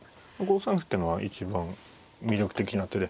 ５三歩ってのは一番魅力的な手で。